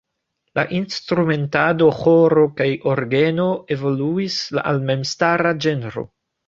La instrumentado "ĥoro kaj orgeno" evoluis al memstara ĝenro.